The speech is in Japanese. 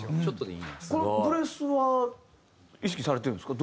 このブレスは意識されてるんですか？